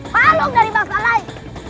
makhluk dari bangsa lain